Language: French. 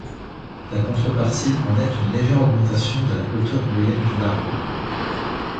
La contrepartie en est une légère augmentation de la hauteur moyenne de l'arbre.